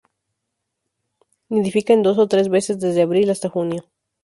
Nidifica en dos o tres veces desde abril hasta junio.